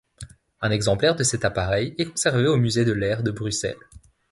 Un exemplaire de cet appareil est conservé au musée de l'air de Bruxelles.